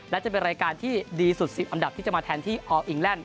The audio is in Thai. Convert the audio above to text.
และจะเป็นรายการที่ดีสุด๑๐อันดับที่จะมาแทนที่อออิงแลนด